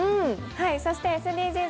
そしてＳＤＧｓ